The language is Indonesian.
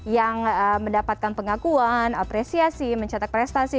yang mendapatkan pengakuan apresiasi mencetak prestasi